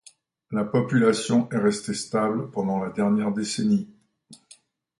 La population est restée stable pendant la dernière décennie.